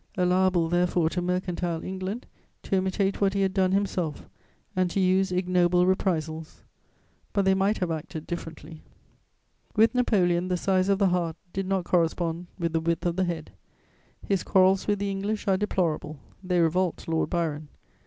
Allowable therefore to mercantile England to imitate what he had done himself, and to use ignoble reprisals; but they might have acted differently. With Napoleon, the size of the heart did not correspond with the width of the head: his quarrels with the English are deplorable; they revolt Lord Byron.